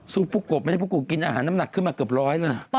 ซู่ดผู้โกบไม่ได้ผู้โกบกินอาหารน้ำหนักขึ้นมาเกือบร้อยน่ะ